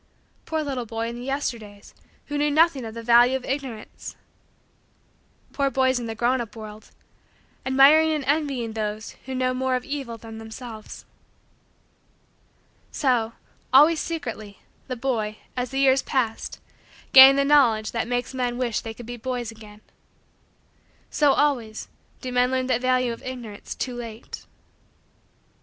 Poor little boy in the Yesterdays who knew nothing of the value of Ignorance! Poor boys in the grown up world admiring and envying those who know more of evil than themselves! So, always, secretly, the boy, as the years passed, gained the knowledge that makes men wish that they could be boys again. So, always, do men learn the value of Ignorance too late.